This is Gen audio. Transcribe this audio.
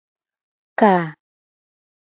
Ka.